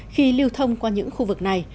khi lưu thông qua những khuôn